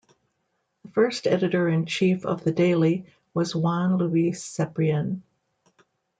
The first editor-in-chief of the daily was Juan Luis Cebrian.